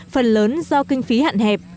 phần lớn do kinh phí hạn hẹp